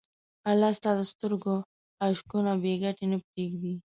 الله ستا له سترګو اشکونه بېګټې نه پرېږدي.